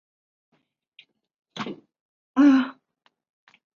森塞特是位于美国阿肯色州华盛顿县的一个非建制地区。